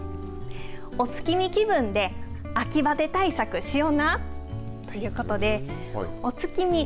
お月見気分で秋バテ対策しよなということで、お月見。